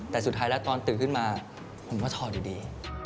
แต่สุดท้ายแล้วตอนตื่นขึ้นมาผมก็ถอดอยู่ดี